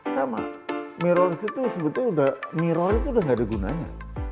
sama mirrorless itu sebetulnya udah nggak ada gunanya